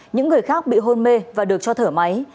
những người khác bị hôn mê và được cho thở máy